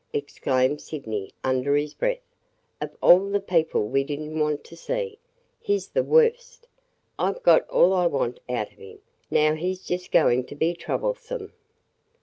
exclaimed Sydney under his breath. "Of all the people we did n't want to see, he 's the worst! I 've got all I want out of him. Now he 's just going to be troublesome!"